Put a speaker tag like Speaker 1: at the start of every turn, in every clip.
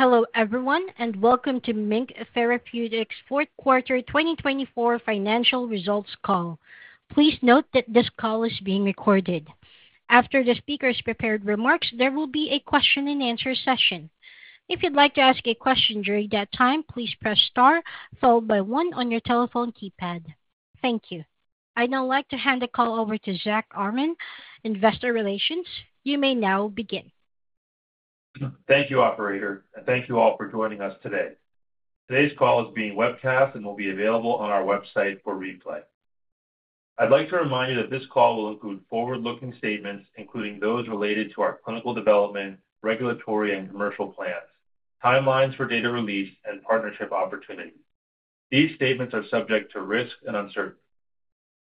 Speaker 1: Please note that this call is being recorded. After the speaker's prepared remarks, there will be a question-and-answer session. If you'd like to ask a question during that time, please press star followed by one on your telephone keypad. Thank you. I'd now like to hand the call over to Zack Armen, Investor Relations. You may now begin.
Speaker 2: Thank you, Operator, and thank you all for joining us today. Today's call is being webcast and will be available on our website for replay. I'd like to remind you that this call will include forward-looking statements, including those related to our clinical development, regulatory and commercial plans, timelines for data release, and partnership opportunities. These statements are subject to risk and uncertainty.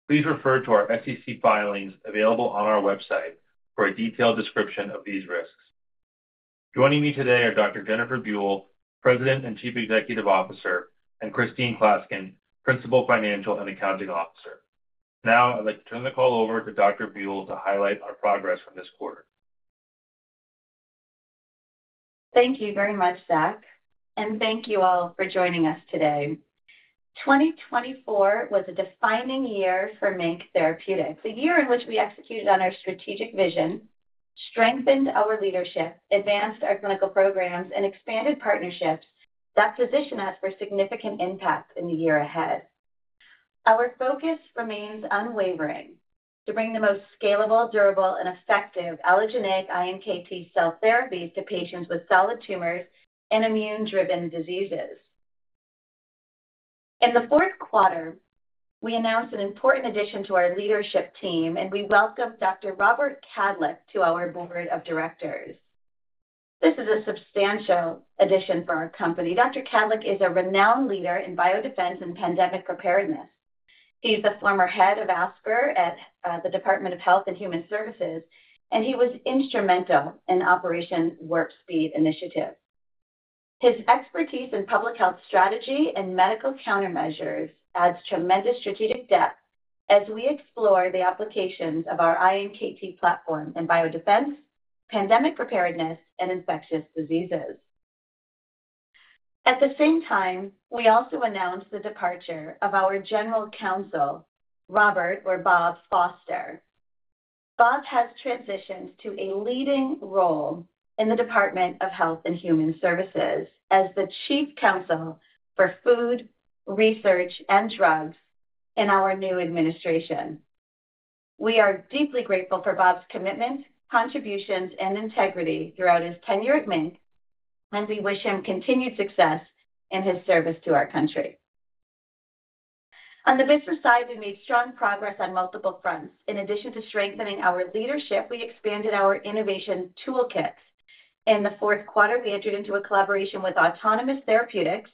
Speaker 2: Please refer to our SEC filings available on our website for a detailed description of these risks. Joining me today are Dr. Jennifer Buell, President and Chief Executive Officer, and Christine Klaskin, Principal Financial and Accounting Officer. Now, I'd like to turn the call over to Dr. Buell to highlight our progress from this quarter.
Speaker 3: Thank you very much, Zack, and thank you all for joining us today. 2024 was a defining year for MiNK Therapeutics, a year in which we executed on our strategic vision, strengthened our leadership, advanced our clinical programs, and expanded partnerships that position us for significant impact in the year ahead. Our focus remains unwavering to bring the most scalable, durable, and effective allogeneic iNKT cell therapies to patients with solid tumors and immune-driven diseases. In the fourth quarter, we announced an important addition to our leadership team, and we welcomed Dr. Robert Kadlec to our board of directors. This is a substantial addition for our company. Dr. Kadlec is a renowned leader in biodefense and pandemic preparedness. He's the former head of ASPR at the Department of Health and Human Services, and he was instrumental in Operation Warp Speed Initiative. His expertise in public health strategy and medical countermeasures adds tremendous strategic depth as we explore the applications of our INKT platform in biodefense, pandemic preparedness, and infectious diseases. At the same time, we also announced the departure of our General Counsel, Bob Foster. Bob has transitioned to a leading role in the Department of Health and Human Services as the Chief Counsel for Food, Research, and Drugs in our new administration. We are deeply grateful for Bob's commitment, contributions, and integrity throughout his tenure at MiNK, and we wish him continued success in his service to our country. On the business side, we made strong progress on multiple fronts. In addition to strengthening our leadership, we expanded our innovation toolkit. In the fourth quarter, we entered into a collaboration with Autonomous Therapeutics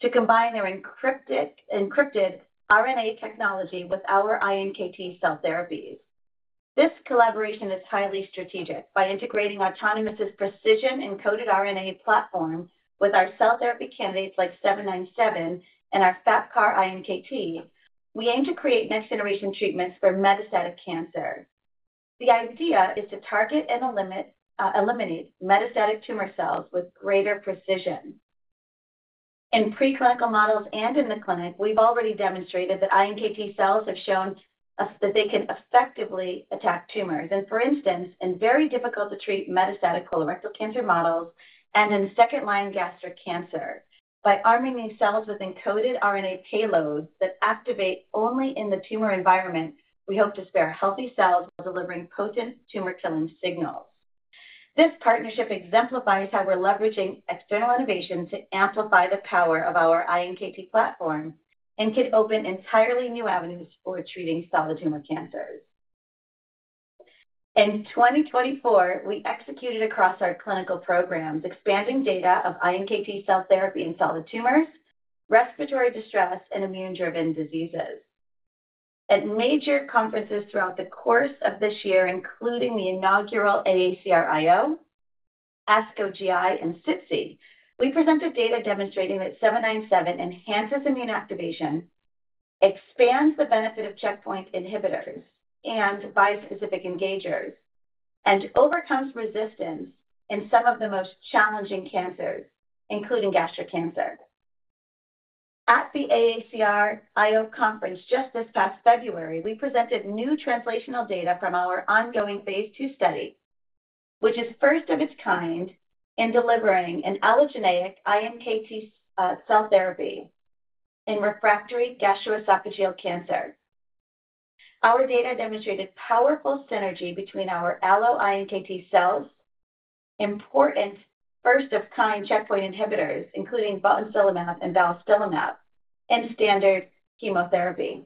Speaker 3: to combine their encrypted RNA technology with our INKT cell therapies. This collaboration is highly strategic. By integrating autonomous' precision-encoded RNA platform with our cell therapy candidates like 797 and our FAP-CAR-iNKT, we aim to create next-generation treatments for metastatic cancer. The idea is to target and eliminate metastatic tumor cells with greater precision. In preclinical models and in the clinic, we've already demonstrated that iNKT cells have shown that they can effectively attack tumors. For instance, in very difficult-to-treat metastatic colorectal cancer models and in second-line gastric cancer, by arming these cells with encoded RNA payloads that activate only in the tumor environment, we hope to spare healthy cells while delivering potent tumor-killing signals. This partnership exemplifies how we're leveraging external innovation to amplify the power of our iNKT platform and could open entirely new avenues for treating solid tumor cancers. In 2024, we executed across our clinical programs, expanding data of iNKT cell therapy in solid tumors, respiratory distress, and immune-driven diseases. At major conferences throughout the course of this year, including the inaugural AACR I/O, ASCO GI, and SITC, we presented data demonstrating that 797 enhances immune activation, expands the benefit of checkpoint inhibitors and bispecific engagers, and overcomes resistance in some of the most challenging cancers, including gastric cancer. At the AACR I/O conference just this past February, we presented new translational data from our ongoing phase two study, which is first of its kind in delivering an allogeneic iNKT cell therapy in refractory gastroesophageal cancer. Our data demonstrated powerful synergy between our allo-iNKT cells, important first-of-kind checkpoint inhibitors, including botulinum and botensilimab in standard chemotherapy.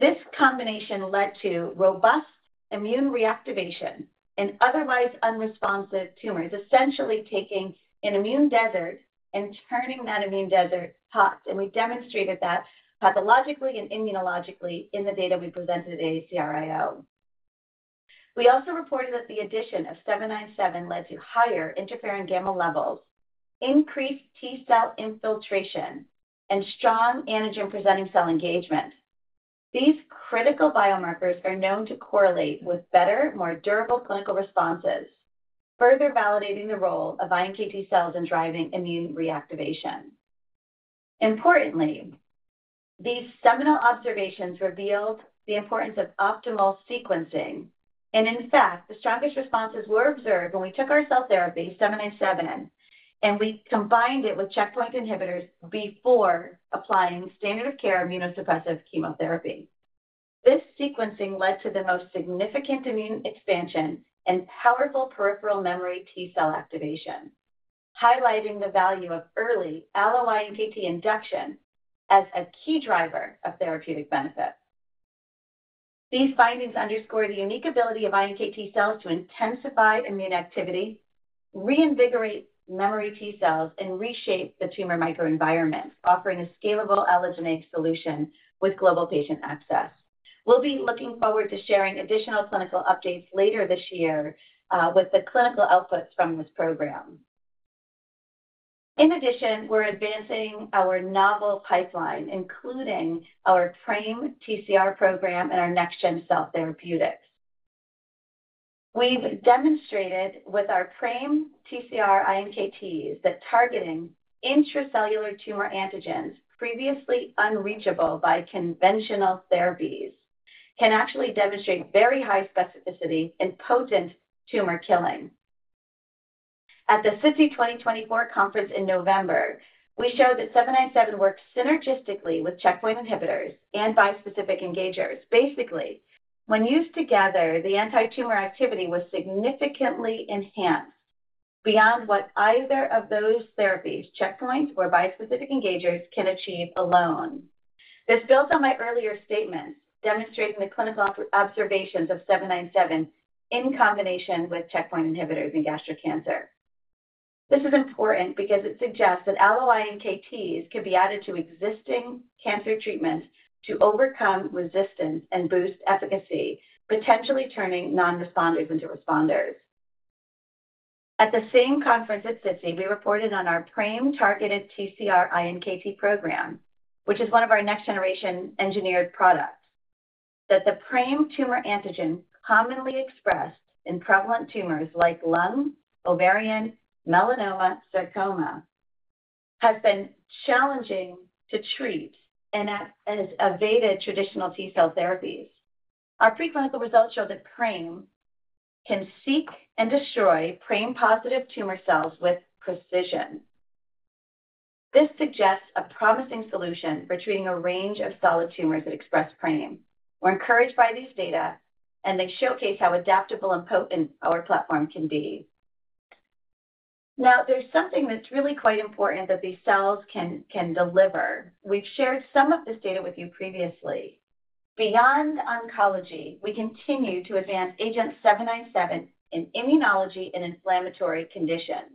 Speaker 3: This combination led to robust immune reactivation in otherwise unresponsive tumors, essentially taking an immune desert and turning that immune desert hot. We demonstrated that pathologically and immunologically in the data we presented at AACR I/O. We also reported that the addition of 797 led to higher interferon gamma levels, increased T-cell infiltration, and strong antigen-presenting cell engagement. These critical biomarkers are known to correlate with better, more durable clinical responses, further validating the role of INKT cells in driving immune reactivation. Importantly, these seminal observations revealed the importance of optimal sequencing. In fact, the strongest responses were observed when we took our cell therapy, 797, and we combined it with checkpoint inhibitors before applying standard-of-care immunosuppressive chemotherapy. This sequencing led to the most significant immune expansion and powerful peripheral memory T-cell activation, highlighting the value of early allo-INKT induction as a key driver of therapeutic benefit. These findings underscore the unique ability of iNKT cells to intensify immune activity, reinvigorate memory T-cells, and reshape the tumor microenvironment, offering a scalable allogeneic solution with global patient access. We'll be looking forward to sharing additional clinical updates later this year with the clinical outputs from this program. In addition, we're advancing our novel pipeline, including our PRAME TCR program and our NextGen Cell Therapeutics. We've demonstrated with our PRAME TCR iNKTs that targeting intracellular tumor antigens, previously unreachable by conventional therapies, can actually demonstrate very high specificity and potent tumor killing. At the SITC 2024 conference in November, we showed that 797 worked synergistically with checkpoint inhibitors and bispecific engagers. Basically, when used together, the anti-tumor activity was significantly enhanced beyond what either of those therapies, checkpoints or bispecific engagers, can achieve alone. This builds on my earlier statements demonstrating the clinical observations of 797 in combination with checkpoint inhibitors in gastric cancer. This is important because it suggests that allo-INKTs could be added to existing cancer treatments to overcome resistance and boost efficacy, potentially turning non-responders into responders. At the same conference at SITC, we reported on our PRAME targeted TCR-iNKT program, which is one of our next-generation engineered products, that the PRAME tumor antigen, commonly expressed in prevalent tumors like lung, ovarian, melanoma, and sarcoma, has been challenging to treat and has evaded traditional T-cell therapies. Our preclinical results show that PRAME can seek and destroy PRAME-positive tumor cells with precision. This suggests a promising solution for treating a range of solid tumors that express PRAME. We're encouraged by these data, and they showcase how adaptable and potent our platform can be. Now, there's something that's really quite important that these cells can deliver. We've shared some of this data with you previously. Beyond oncology, we continue to advance agenT-797 in immunology and inflammatory conditions.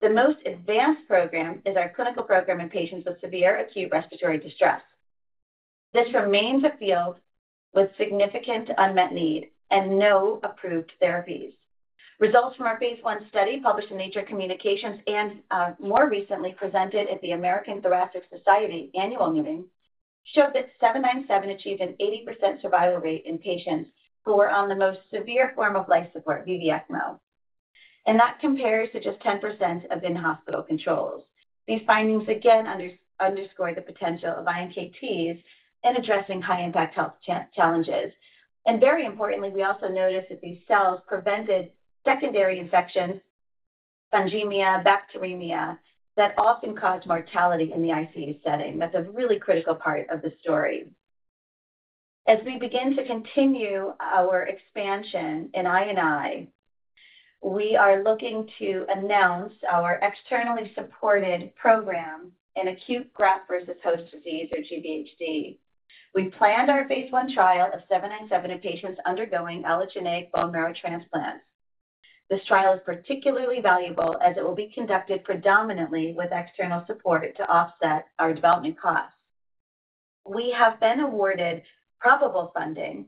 Speaker 3: The most advanced program is our clinical program in patients with severe acute respiratory distress. This remains a field with significant unmet need and no approved therapies. Results from our phase one study published in nature communications and more recently presented at the American Thoracic Society annual meeting showed that 797 achieved an 80% survival rate in patients who were on the most severe form of life support, VV-ECMO mode. That compares to just 10% of in-hospital controls. These findings again underscore the potential of iNKTs in addressing high-impact health challenges. Very importantly, we also noticed that these cells prevented secondary infections, fungemia, bacteremia that often cause mortality in the ICU setting. That's a really critical part of the story. As we begin to continue our expansion in I&I, we are looking to announce our externally supported program in acute graft versus host disease, or GVHD. We planned our phase I trial of 797 in patients undergoing allogeneic bone marrow transplants. This trial is particularly valuable as it will be conducted predominantly with external support to offset our development costs. We have been awarded probable funding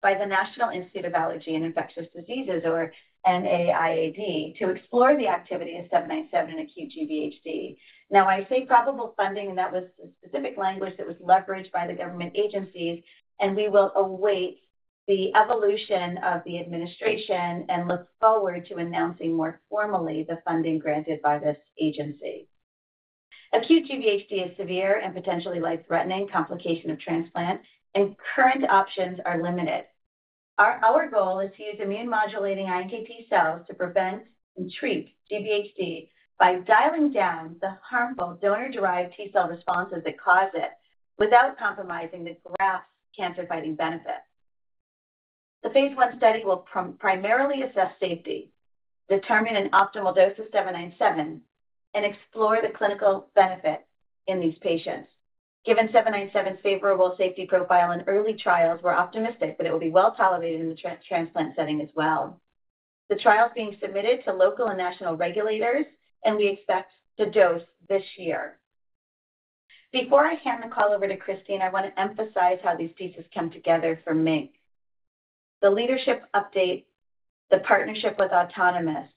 Speaker 3: by the National Institute of Allergy and Infectious Diseases, or NIAID, to explore the activity of 797 in acute GVHD. Now, I say probable funding, and that was the specific language that was leveraged by the government agencies, and we will await the evolution of the administration and look forward to announcing more formally the funding granted by this agency. Acute GVHD is a severe and potentially life-threatening complication of transplant, and current options are limited. Our goal is to use immune-modulating iNKT cells to prevent and treat GVHD by dialing down the harmful donor-derived T-cell responses that cause it without compromising the graft cancer-fighting benefits. The phase I study will primarily assess safety, determine an optimal dose of 797, and explore the clinical benefit in these patients. Given 797's favorable safety profile, early trials were optimistic that it will be well tolerated in the transplant setting as well. The trial is being submitted to local and national regulators, and we expect to dose this year. Before I hand the call over to Christine, I want to emphasize how these pieces come together for MiNK. The leadership update, the partnership with Autonomous,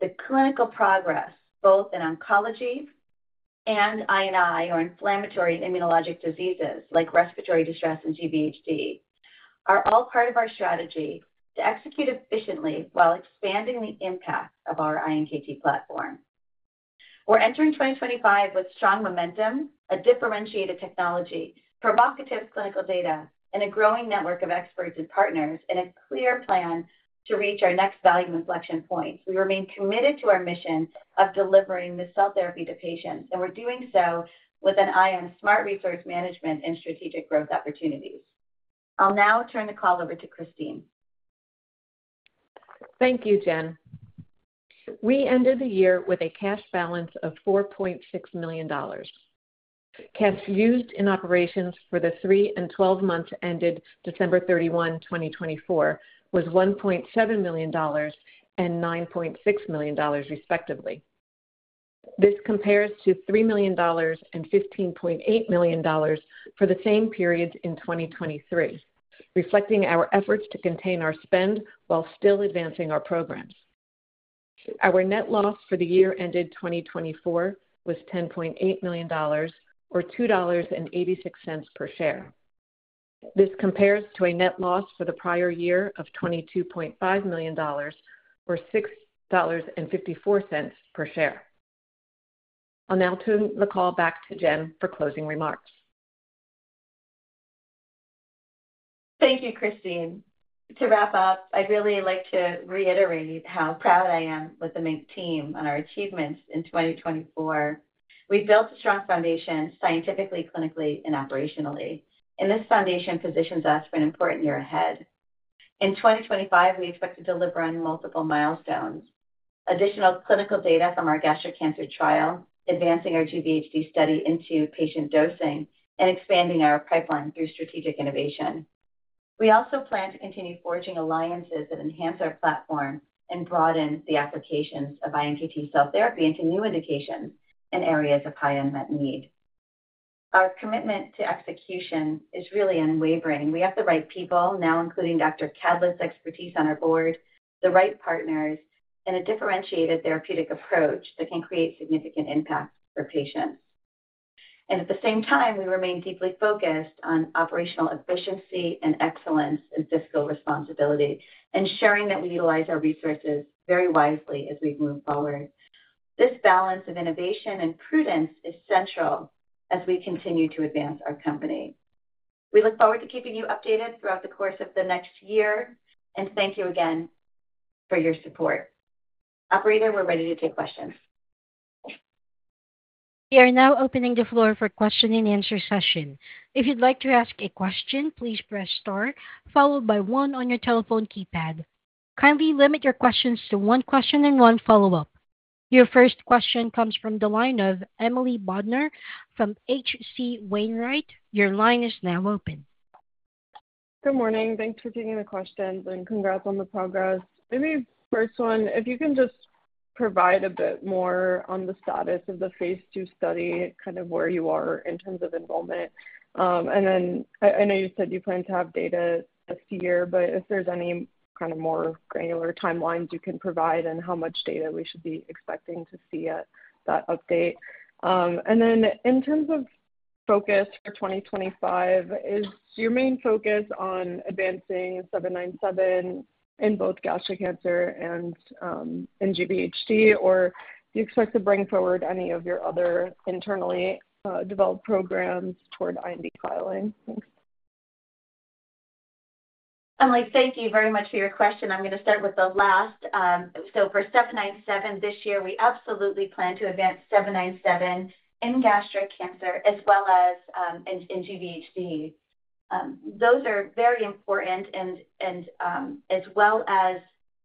Speaker 3: the clinical progress, both in oncology and I&I, or inflammatory immunologic diseases like respiratory distress and GVHD, are all part of our strategy to execute efficiently while expanding the impact of our iNKT platform. We're entering 2025 with strong momentum, a differentiated technology, provocative clinical data, and a growing network of experts and partners and a clear plan to reach our next value inflection points. We remain committed to our mission of delivering the cell therapy to patients, and we're doing so with an eye on smart resource management and strategic growth opportunities. I'll now turn the call over to Christine.
Speaker 4: Thank you, Jen. We ended the year with a cash balance of $4.6 million. Cash used in operations for the three and 12 months ended December 31, 2024, was $1.7 million and $9.6 million, respectively. This compares to $3 million and $15.8 million for the same period in 2023, reflecting our efforts to contain our spend while still advancing our programs. Our net loss for the year ended 2024 was $10.8 million, or $2.86 per share. This compares to a net loss for the prior year of $22.5 million, or $6.54 per share. I'll now turn the call back to Jen for closing remarks.
Speaker 3: Thank you, Christine. To wrap up, I'd really like to reiterate how proud I am with the MiNK team on our achievements in 2024. We've built a strong foundation scientifically, clinically, and operationally. This foundation positions us for an important year ahead. In 2025, we expect to deliver on multiple milestones: additional clinical data from our gastric cancer trial, advancing our GVHD study into patient dosing, and expanding our pipeline through strategic innovation. We also plan to continue forging alliances that enhance our platform and broaden the applications of iNKT cell therapy into new indications and areas of high unmet need. Our commitment to execution is really unwavering. We have the right people now, including Dr. Kadlec's expertise on our board, the right partners, and a differentiated therapeutic approach that can create significant impact for patients. At the same time, we remain deeply focused on operational efficiency and excellence and fiscal responsibility, ensuring that we utilize our resources very wisely as we move forward. This balance of innovation and prudence is central as we continue to advance our company. We look forward to keeping you updated throughout the course of the next year, and thank you again for your support. Operator, we're ready to take questions.
Speaker 1: We are now opening the floor for question and answer session. If you'd like to ask a question, please press star, followed by one on your telephone keypad. Kindly limit your questions to one question and one follow-up. Your first question comes from Emily Bodnar from H.C. Wainwright & Co. Your line is now open.
Speaker 5: Good morning. Thanks for taking the questions, and congrats on the progress. Maybe first one, if you can just provide a bit more on the status of the phase two study, kind of where you are in terms of enrollment. I know you said you plan to have data this year, but if there's any kind of more granular timelines you can provide and how much data we should be expecting to see at that update. In terms of focus for 2025, is your main focus on advancing 797 in both gastric cancer and GVHD, or do you expect to bring forward any of your other internally developed programs toward IND filing?
Speaker 3: Thank you very much for your question. I'm going to start with the last. For 797 this year, we absolutely plan to advance 797 in gastric cancer as well as in GVHD. Those are very important, as well as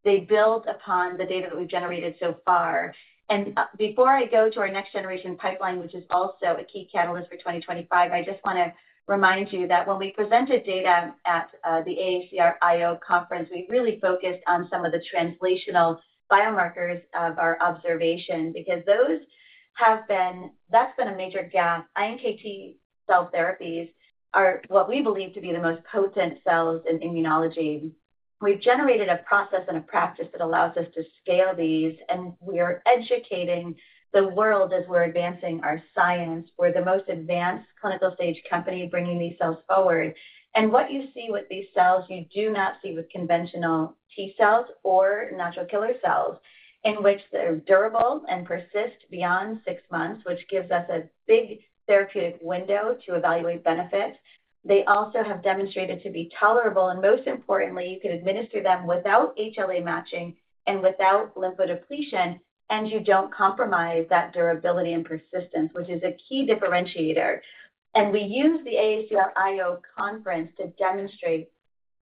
Speaker 3: they build upon the data that we've generated so far. Before I go to our next-generation pipeline, which is also a key catalyst for 2025, I just want to remind you that when we presented data at the AACR I/O conference, we really focused on some of the translational biomarkers of our observation because those have been—that's been a major gap. INKT cell therapies are what we believe to be the most potent cells in immunology. We've generated a process and a practice that allows us to scale these, and we are educating the world as we're advancing our science. We're the most advanced clinical stage company bringing these cells forward. What you see with these cells, you do not see with conventional T-cells or natural killer cells, in which they're durable and persist beyond six months, which gives us a big therapeutic window to evaluate benefits. They also have demonstrated to be tolerable, and most importantly, you can administer them without HLA matching and without lymphodepletion, and you don't compromise that durability and persistence, which is a key differentiator. We use the AACR I/O conference to demonstrate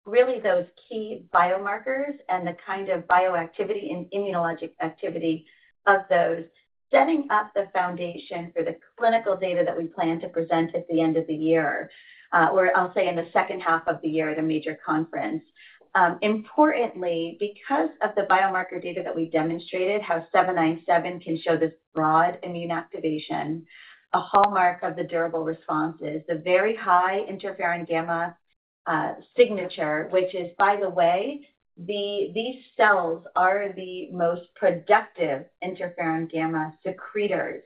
Speaker 3: really those key biomarkers and the kind of bioactivity and immunologic activity of those, setting up the foundation for the clinical data that we plan to present at the end of the year, or I'll say in the second half of the year at a major conference. Importantly, because of the biomarker data that we demonstrated, how 797 can show this broad immune activation, a hallmark of the durable responses, the very high interferon gamma signature, which is, by the way, these cells are the most productive interferon gamma secretors.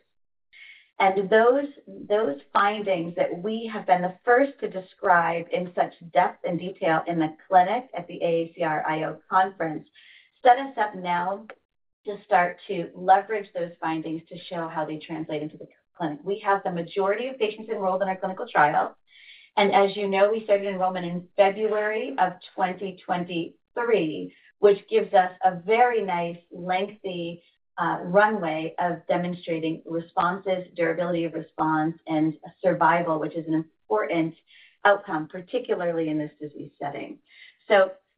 Speaker 3: Those findings that we have been the first to describe in such depth and detail in the clinic at the AACR I/O conference set us up now to start to leverage those findings to show how they translate into the clinic. We have the majority of patients enrolled in our clinical trial. As you know, we started enrollment in February of 2023, which gives us a very nice lengthy runway of demonstrating responses, durability of response, and survival, which is an important outcome, particularly in this disease setting.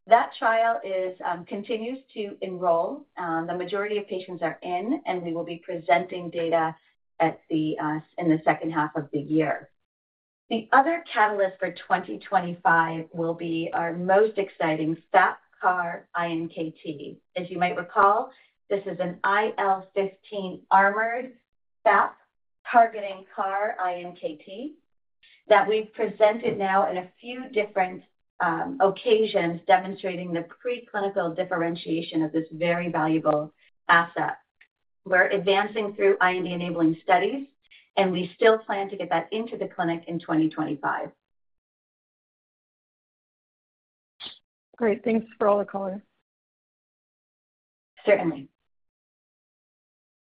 Speaker 3: That trial continues to enroll. The majority of patients are in, and we will be presenting data in the second half of the year. The other catalyst for 2025 will be our most exciting FAP CAR INKT. As you might recall, this is an IL-15 armored FAP targeting CAR INKT that we've presented now on a few different occasions, demonstrating the preclinical differentiation of this very valuable asset. We're advancing through IND-enabling studies, and we still plan to get that into the clinic in 2025.
Speaker 5: Great. Thanks for all the color.
Speaker 3: Certainly.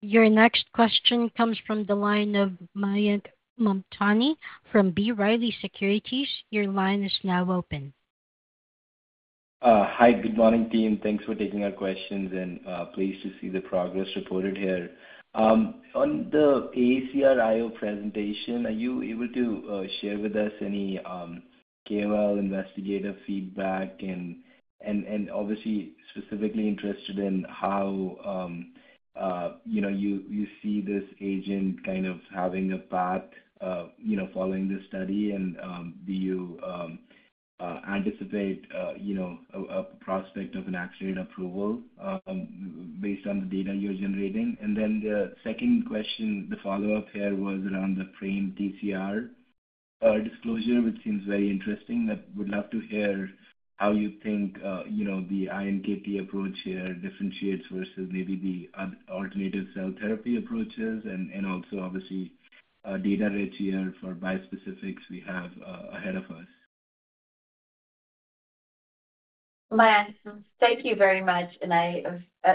Speaker 1: Your next question comes from Mayank Mamtani from B. Riley Securities. Your line is now open.
Speaker 6: Hi, good morning, team. Thanks for taking our questions, and pleased to see the progress reported here. On the AACR I/O presentation, are you able to share with us any KOL investigative feedback? Obviously, specifically interested in how you see this agent kind of having a path following this study, and do you anticipate a prospect of an accurate approval based on the data you're generating? The second question, the follow-up here was around the PRAME TCR disclosure, which seems very interesting. I would love to hear how you think the INKT approach here differentiates versus maybe the alternative cell therapy approaches, and also, obviously, data rich here for bio specifics we have ahead of us.
Speaker 3: Thank you very much, and I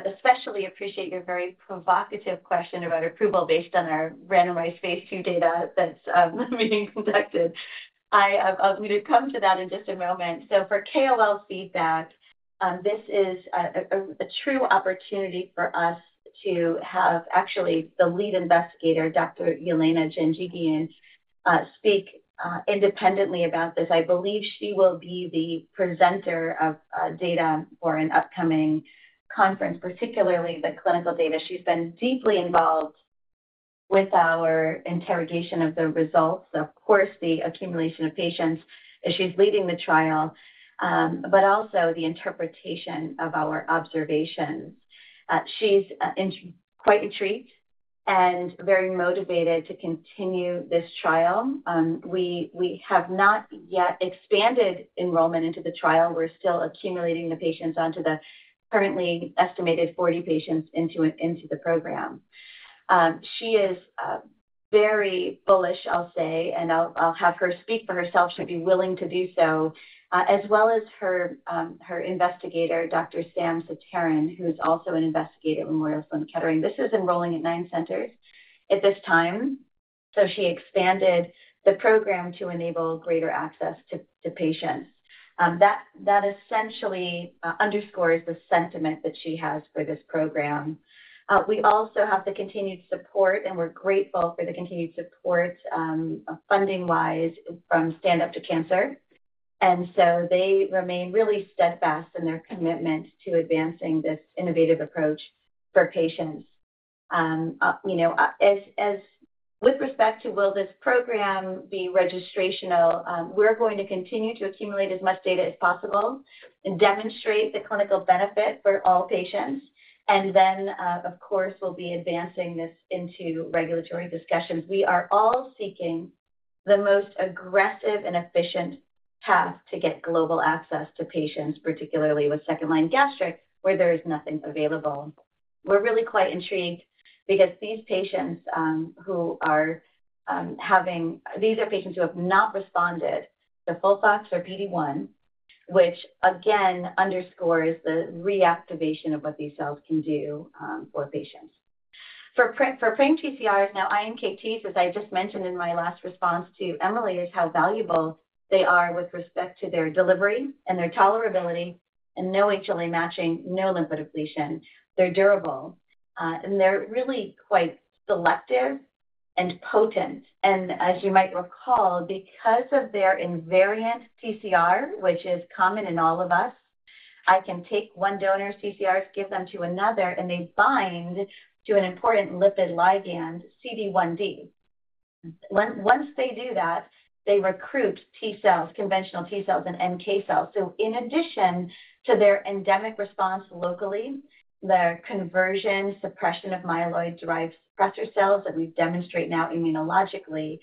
Speaker 3: especially appreciate your very provocative question about approval based on our randomized phase two data that's being conducted. I'll come to that in just a moment. For KOL feedback, this is a true opportunity for us to have actually the lead investigator, Dr. Yelena Janjigian, speak independently about this. I believe she will be the presenter of data for an upcoming conference, particularly the clinical data. She's been deeply involved with our interrogation of the results, of course, the accumulation of patients as she's leading the trial, but also the interpretation of our observations. She's quite intrigued and very motivated to continue this trial. We have not yet expanded enrollment into the trial. We're still accumulating the patients onto the currently estimated 40 patients into the program. She is very bullish, I'll say, and I'll have her speak for herself. She'll be willing to do so, as well as her investigator, Dr. Sam Sateran, who's also an investigator at Memorial Sloan Kettering. This is enrolling at nine centers at this time. She expanded the program to enable greater access to patients. That essentially underscores the sentiment that she has for this program. We also have the continued support, and we are grateful for the continued support funding-wise from Stand Up to Cancer. They remain really steadfast in their commitment to advancing this innovative approach for patients. With respect to will this program be registrational, we are going to continue to accumulate as much data as possible and demonstrate the clinical benefit for all patients. Of course, we will be advancing this into regulatory discussions. We are all seeking the most aggressive and efficient path to get global access to patients, particularly with second-line gastric, where there is nothing available. We are really quite intrigued because these patients who are having—these are patients who have not responded to FOLFOX or PD-1, which again underscores the reactivation of what these cells can do for patients. For PRAME TCRs, now INKTs, as I just mentioned in my last response to Emily, is how valuable they are with respect to their delivery and their tolerability and no HLA matching, no lymphodepletion. They're durable, and they're really quite selective and potent. As you might recall, because of their invariant TCR, which is common in all of us, I can take one donor's TCRs, give them to another, and they bind to an important lipid ligand, CD1D. Once they do that, they recruit T-cells, conventional T-cells and NK cells. In addition to their endemic response locally, the conversion suppression of myeloid derived suppressor cells that we demonstrate now immunologically,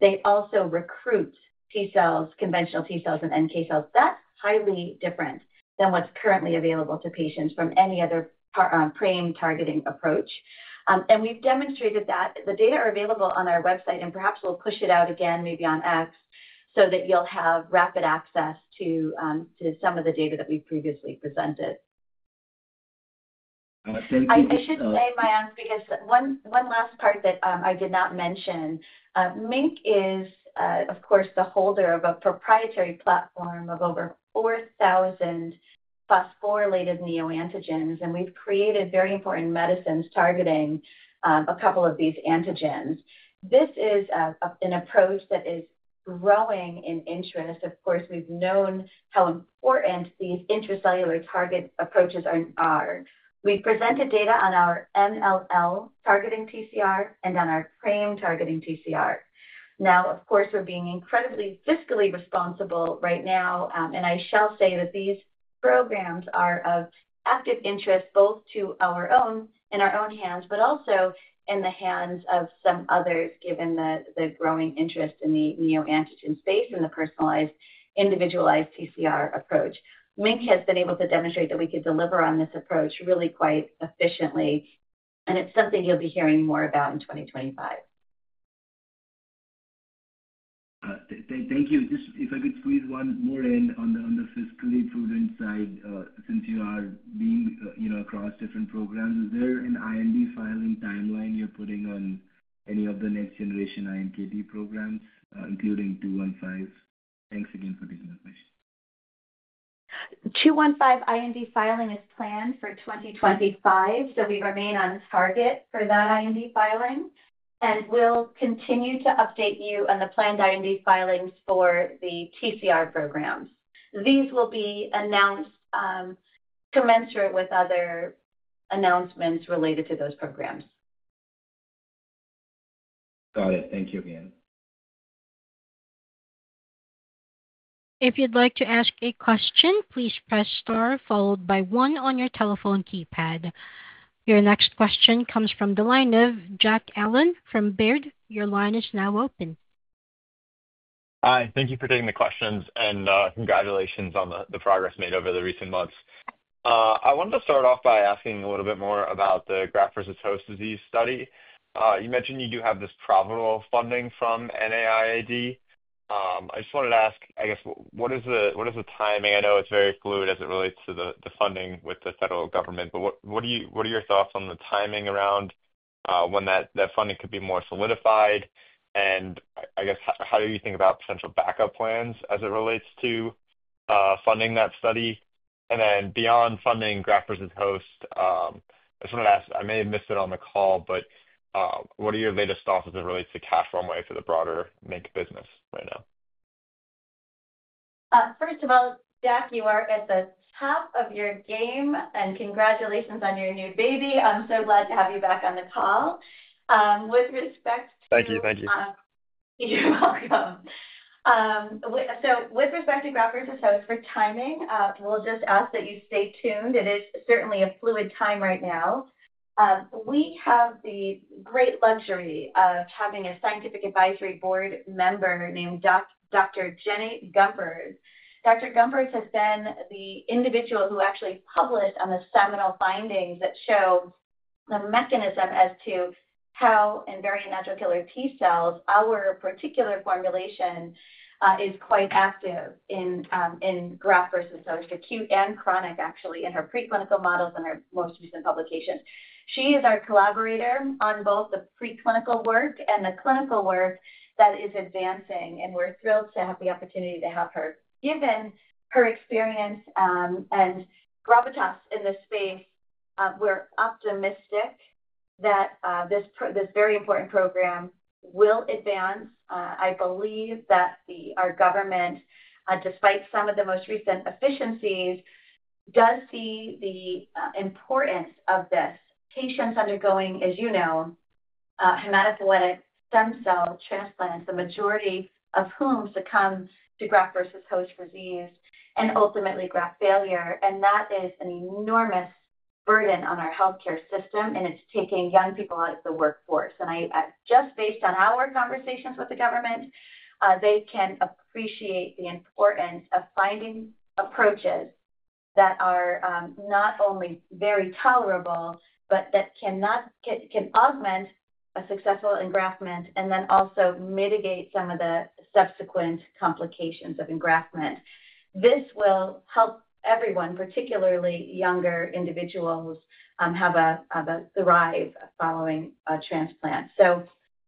Speaker 3: they also recruit T-cells, conventional T-cells and NK cells. That's highly different than what's currently available to patients from any other PRAME targeting approach. We have demonstrated that the data are available on our website, and perhaps we will push it out again, maybe on X, so that you will have rapid access to some of the data that we have previously presented.
Speaker 6: Thank you.
Speaker 3: I should say, Mayank, because one last part that I did not mention, MiNK is, of course, the holder of a proprietary platform of over 4,000 phosphorylated neoantigens, and we have created very important medicines targeting a couple of these antigens. This is an approach that is growing in interest. Of course, we have known how important these intracellular target approaches are. We presented data on our MLL targeting TCR and on our PRAME targeting TCR. Now, of course, we're being incredibly fiscally responsible right now, and I shall say that these programs are of active interest both to our own in our own hands, but also in the hands of some others, given the growing interest in the neoantigens space and the personalized, individualized TCR approach. MiNK has been able to demonstrate that we could deliver on this approach really quite efficiently, and it's something you'll be hearing more about in 2025.
Speaker 6: Thank you. If I could squeeze one more in on the fiscally prudent side, since you are being across different programs, is there an IND filing timeline you're putting on any of the next-generation iNKT programs, including 215? Thanks again for taking the question.
Speaker 3: 215 IND filing is planned for 2025, so we remain on target for that IND filing, and we'll continue to update you on the planned IND filings for the TCR programs. These will be announced commensurate with other announcements related to those programs.
Speaker 6: Got it. Thank you again.
Speaker 1: If you'd like to ask a question, please press star followed by one on your telephone keypad. Your next question comes from Jack Allen from Baird. Your line is now open.
Speaker 7: Hi. Thank you for taking the questions, and congratulations on the progress made over the recent months. I wanted to start off by asking a little bit more about the graft versus host disease study. You mentioned you do have this provisional funding from NIAID. I just wanted to ask, I guess, what is the timing? I know it's very fluid as it relates to the funding with the federal government, but what are your thoughts on the timing around when that funding could be more solidified? I guess, how do you think about potential backup plans as it relates to funding that study? Beyond funding graft versus host, I just wanted to ask, I may have missed it on the call, but what are your latest thoughts as it relates to cash runway for the broader MiNK business right now?
Speaker 3: First of all, Jack, you are at the top of your game, and congratulations on your new baby. I'm so glad to have you back on the call. With respect to—
Speaker 7: Thank you. Thank you.
Speaker 3: You're welcome. With respect to graft versus host, for timing, we'll just ask that you stay tuned. It is certainly a fluid time right now. We have the great luxury of having a scientific advisory board member named Dr. Jenny Gumperz. Dr. Gumperz has been the individual who actually published on the seminal findings that show the mechanism as to how invariant natural killer T cells, our particular formulation, is quite active in graft versus host, acute and chronic, actually, in her preclinical models and her most recent publications. She is our collaborator on both the preclinical work and the clinical work that is advancing, and we're thrilled to have the opportunity to have her. Given her experience and gravitas in this space, we're optimistic that this very important program will advance. I believe that our government, despite some of the most recent efficiencies, does see the importance of this. Patients undergoing, as you know, hematopoietic stem cell transplants, the majority of whom succumb to graft versus host disease and ultimately graft failure. That is an enormous burden on our healthcare system, and it's taking young people out of the workforce. Just based on our conversations with the government, they can appreciate the importance of finding approaches that are not only very tolerable, but that can augment a successful engraftment and then also mitigate some of the subsequent complications of engraftment. This will help everyone, particularly younger individuals, have a thrive following a transplant.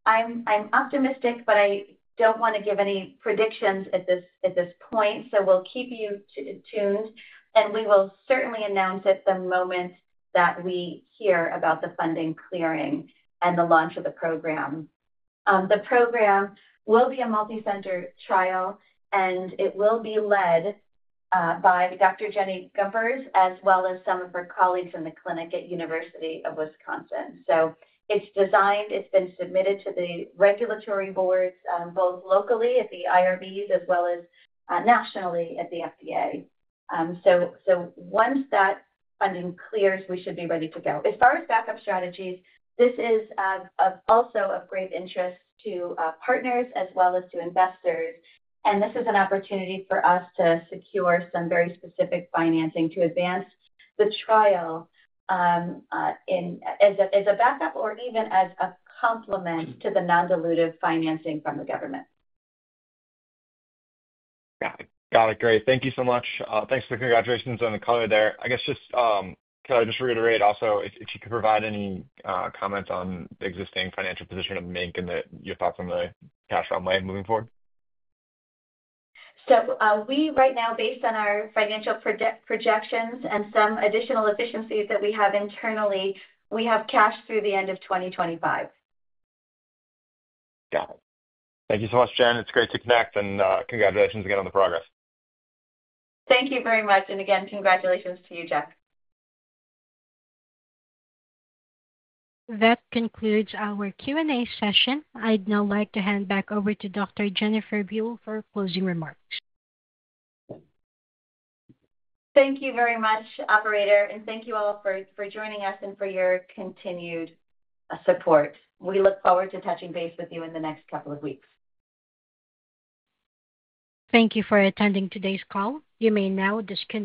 Speaker 3: I'm optimistic, but I don't want to give any predictions at this point, so we'll keep you tuned, and we will certainly announce it the moment that we hear about the funding clearing and the launch of the program. The program will be a multi-center trial, and it will be led by Dr. Jenny Gumperz as well as some of her colleagues in the clinic at University of Wisconsin. It is designed, it has been submitted to the regulatory boards both locally at the IRBs as well as nationally at the FDA. Once that funding clears, we should be ready to go. As far as backup strategies, this is also of great interest to partners as well as to investors. This is an opportunity for us to secure some very specific financing to advance the trial as a backup or even as a complement to the non-dilutive financing from the government.
Speaker 7: Got it. Great. Thank you so much. Thanks for the congratulations and the color there. I guess just can I just reiterate also if you could provide any comments on the existing financial position of MiNK and your thoughts on the cash runway moving forward?
Speaker 3: We right now, based on our financial projections and some additional efficiencies that we have internally, we have cash through the end of 2025.
Speaker 8: Got it. Thank you so much, Jen. It's great to connect, and congratulations again on the progress.
Speaker 3: Thank you very much. Again, congratulations to you, Jack.
Speaker 1: That concludes our Q&A session. I'd now like to hand back over to Dr. Jennifer Buell for closing remarks.
Speaker 3: Thank you very much, operator, and thank you all for joining us and for your continued support. We look forward to touching base with you in the next couple of weeks.
Speaker 1: Thank you for attending today's call. You may now disconnect.